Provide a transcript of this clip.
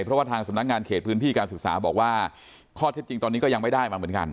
เพราะว่าทางสำนักงานเขตพื้นที่การศึกษาบอกว่าข้อเท็จจริงตอนนี้ก็ยังไม่ได้มาเหมือนกัน